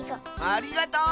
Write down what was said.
ありがとう！